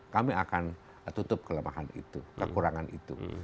kami akan tutup kelemahan itu kekurangan itu